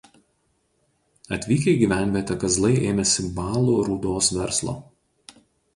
Atvykę į gyvenvietę Kazlai ėmėsi balų rūdos verslo.